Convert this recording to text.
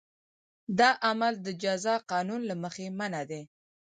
دا عمل د جزا قانون له مخې منع دی.